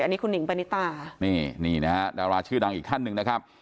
อันนี้คุณหิงปณิตานี่นี่นะฮะดาราชื่อดังอีกท่านหนึ่งนะครับ